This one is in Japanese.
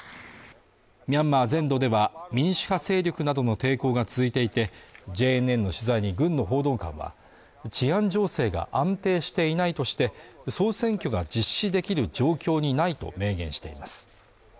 ミャンマー全土では民主派勢力などの抵抗が続いていてＪＮＮの取材に軍の報道官は治安情勢が安定していないとして総選挙が実施できる状況にないと明言しています